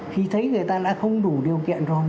khi thấy người ta đã không đủ điều kiện rồi